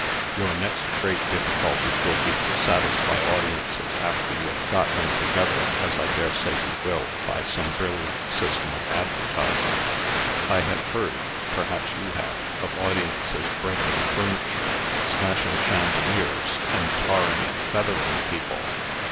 "Your next great difficulty will be to satisfy audiences after you have got them together, as I dare say you will, by some brilliant system of advertising. I have heard perhaps you have of audiences breaking furniture, smashing chandeliers, and tarring and feathering people."